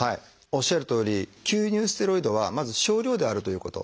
おっしゃるとおり吸入ステロイドはまず少量であるということ。